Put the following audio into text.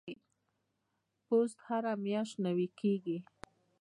پوست هره میاشت نوي کیږي.